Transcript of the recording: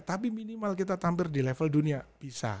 tapi minimal kita tampil di level dunia bisa